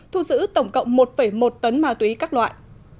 thu giữ tổng cộng một một tấn ma túy các loại